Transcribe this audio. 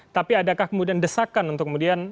tapi adakah kemudian desakan untuk kemudian